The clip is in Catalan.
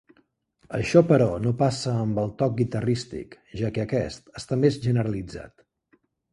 Això, però, no passa amb el toc guitarrístic, ja que aquest està més generalitzat.